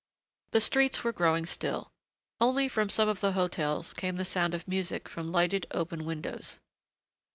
The streets were growing still. Only from some of the hotels came the sound of music from lighted, open windows.